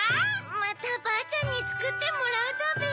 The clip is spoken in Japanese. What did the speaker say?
またばあちゃんにつくってもらうだべ。